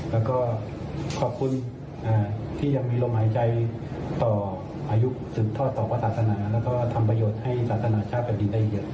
แล้วก็ขอบคุณที่ยังมีลมหายใจต่ออายุถึงท่อต่อประศาสนาและก็ทำประโยชน์ให้สาธารณะชาติแบบนี้ได้เยอะ